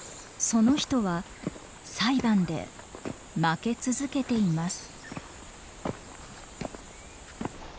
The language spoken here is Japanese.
その人は裁判で負け続けています。